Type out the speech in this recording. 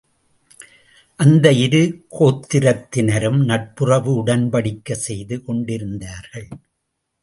அந்த இரு கோத்திரத்தினரும் நட்புறவு உடன்படிக்கை செய்து கொண்டிருந்தார்கள்.